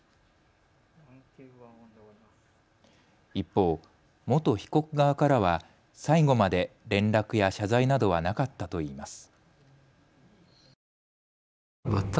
一方、元被告側からは最後まで連絡や謝罪などはなかったといいます。